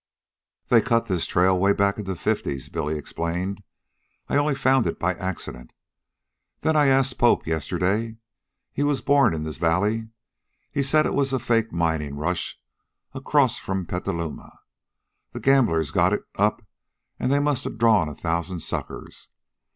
"They cut this trail 'way back in the Fifties," Billy explained. "I only found it by accident. Then I asked Poppe yesterday. He was born in the valley. He said it was a fake minin' rush across from Petaluma. The gamblers got it up, an' they must a drawn a thousan' suckers.